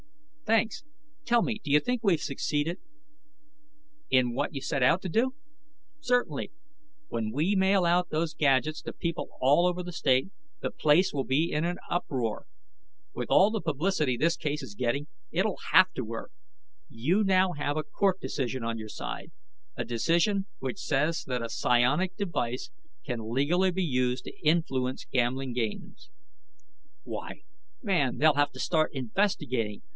"Thanks. Tell me, do you think we've succeeded?" "In what you set out to do? Certainly. When we mail out those gadgets to people all over the state, the place will be in an uproar. With all the publicity this case is getting, it'll have to work. You now have a court decision on your side, a decision which says that a psionic device can be legally used to influence gambling games. "Why, man, they'll have to start investigating!